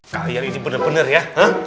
kalian ini bener bener ya